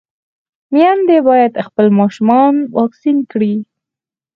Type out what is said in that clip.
ميندې بايد خپل ماشومان واکسين کړي.